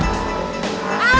neng kabur sekarang